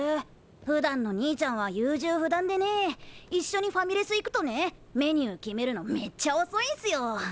ふだんの兄ちゃんは優柔不断でねいっしょにファミレス行くとねメニュー決めるのめっちゃおそいんすよ。